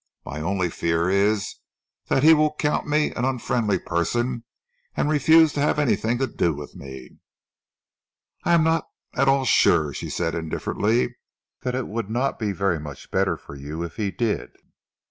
"My only fear is that he will count me an unfriendly person and refuse to have anything to do with me." "I am not at all sure," she said indifferently, "that it would not be very much better for you if he did."